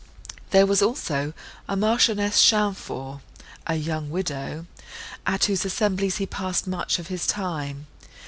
There was also a Marchioness Champfort, a young widow, at whose assemblies he passed much of his time.